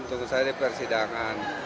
tunggu saja di persidangan